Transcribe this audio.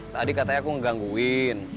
tadi katanya aku ngegangguin